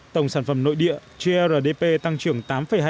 tổng sản phẩm nội địa tăng trưởng tám hai mươi năm